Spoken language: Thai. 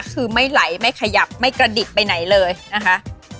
คือไม่ไหลไม่ขยับไม่กระดิกไปไหนเลยนะคะ